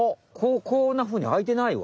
こんなふうにあいてないわ。